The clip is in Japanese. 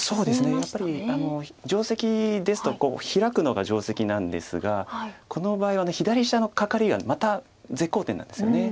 やっぱり定石ですとヒラくのが定石なんですがこの場合は左下のカカリがまた絶好点なんですよね。